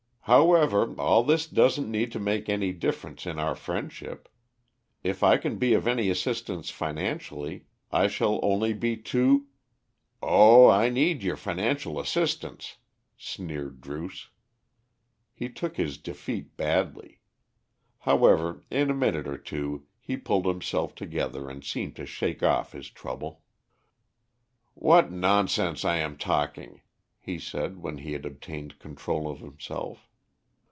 "However, all this doesn't need to make any difference in our friendship. If I can be of any assistance financially I shall only be too " "Oh, I need your financial assistance!" sneered Druce. He took his defeat badly. However, in a minute or two, he pulled himself together and seemed to shake off his trouble. "What nonsense I am talking," he said when he had obtained control of himself.